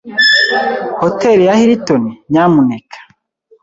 Hotel ya Hilton, nyamuneka.